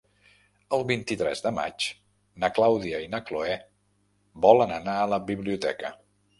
El vint-i-tres de maig na Clàudia i na Cloè volen anar a la biblioteca.